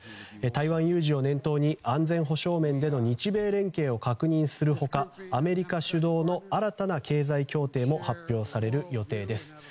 台湾有事を念頭に安全保障面での日米連携を確認する他アメリカ主導の新たな経済協定も発表される予定です。